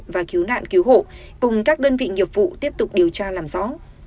và cứu nạn cứu hộ cùng các đơn vị nghiệp vụ tiếp tục điều tra làm rõ